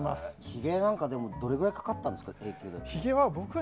ひげなんかどれくらいかかったんですか？